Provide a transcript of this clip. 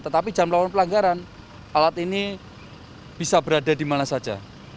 tetapi jangan melakukan pelanggaran alat ini bisa berada di mana saja